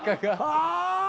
ああ！